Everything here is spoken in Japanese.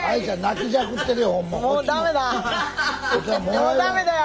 もうダメだよ